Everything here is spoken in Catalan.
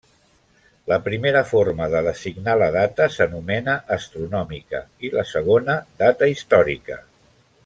La primera forma de designar la data s'anomena astronòmica i la segona data històrica.